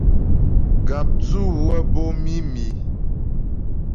Gàpdzʉ wə́ bǒ mǐmi.